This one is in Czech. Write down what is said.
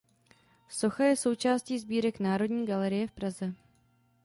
Socha je součástí sbírek Národní galerie v Praze.